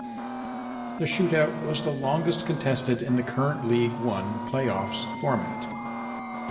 The shoot-out was the longest contested in the current League One play-offs format.